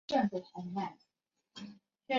分布于地中海及东大西洋。